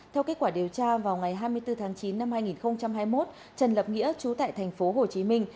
theo kết quả điều tra vào ngày hai mươi bốn tháng chín năm hai nghìn hai mươi một trần lập nghĩa trú tại thành phố hồ chí minh